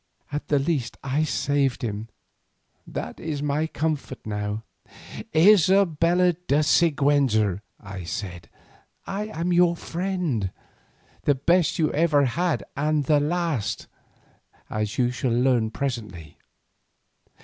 "At the least I saved him, that is my comfort now." "Isabella de Siguenza," I said, "I am your friend, the best you ever had and the last, as you shall learn presently.